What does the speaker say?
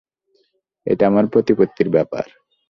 এটা আমার প্রতিপত্তির ব্যাপার!